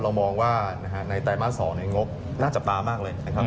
มองว่าในไตรมาส๒ในงบน่าจะปลามากเลยนะครับ